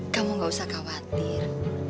kamu nggak usah khawatir